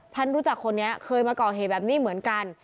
ฉันรู้จักคนนี้เคยมาก่อเหตุแบบนี้เหมือนกัน